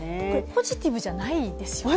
ポジティブじゃないですよね。